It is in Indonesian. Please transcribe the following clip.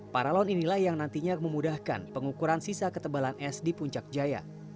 paralon inilah yang nantinya memudahkan pengukuran sisa ketebalan es di puncak jaya